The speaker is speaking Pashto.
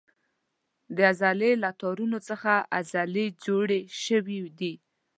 د عضلې له تارونو څخه عضلې جوړې شوې دي.